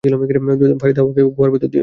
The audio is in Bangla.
যারীদ ইউহাওয়াকে গুহার ভিতর নিয়ে যায়।